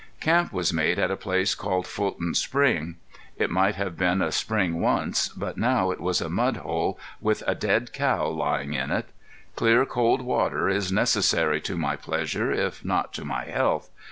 Camp was made at a place called Fulton Spring. It might have been a spring once, but now it was a mud hole with a dead cow lying in it. Clear, cold water is necessary to my pleasure, if not to my health.